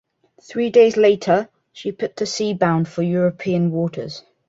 Three days later, she put to sea bound for European waters.